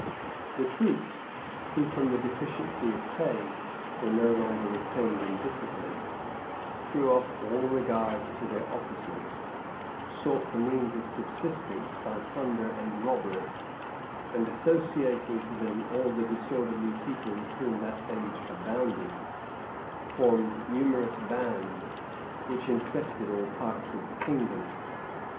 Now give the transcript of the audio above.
The troops, who, from the deficiency of pay, were no longer retained in discipline, threw off all regard to their officers, sought the means of subsistence by plunder and robbery, and associating to them all the disorderly people with whom that age abounded, formed numerous bands, which infested all parts of the kingdom.